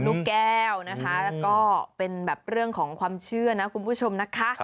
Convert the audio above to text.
ลูกแก้วนะคะแล้วก็เป็นแบบเรื่องของความเชื่อนะคุณผู้ชมนะคะ